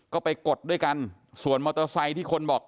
ก็ไปกดด้วยกันส่วนมอเตอร์ไซค์ที่คนบอก